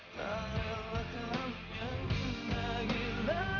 qaww ko'ban untuk berubah